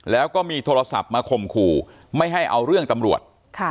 แล้วก็มีโทรศัพท์มาข่มขู่ไม่ให้เอาเรื่องตำรวจ